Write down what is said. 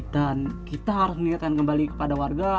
dan kita harus menyatakan kembali kepada warga